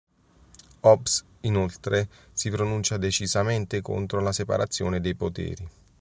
Hobbes inoltre si pronuncia decisamente contro la separazione dei poteri.